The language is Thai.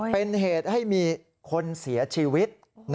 เป็นเหตุให้มีคนเสียชีวิต